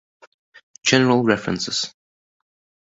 General references